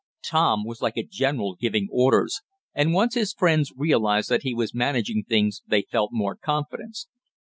Tom was like a general giving orders, and once his friends realized that he was managing things they felt more confidence.